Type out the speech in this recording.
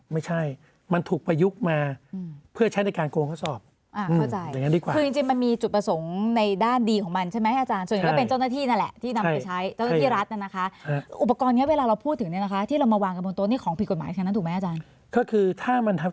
ไม่ใช่มันถูกประยุกต์มาเพื่อใช้ในการโกงข้อสอบ